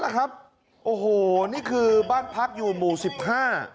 ครับโอ้โหนี่คือบ้านพักอยู่หมู่สิบห้า